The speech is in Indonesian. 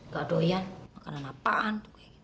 gak doyan makanan apaan